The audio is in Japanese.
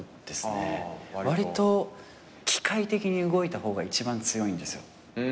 わりと機械的に動いた方が一番強いんですよ。